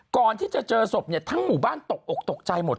ก่อนที่จะเจอศพเนี่ยทั้งหมู่บ้านตกอกตกใจหมด